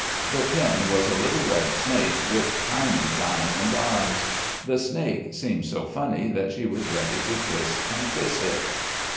The pin was a little red snake with tiny diamond eyes; the snake seemed so funny that she was ready to kiss and kiss it.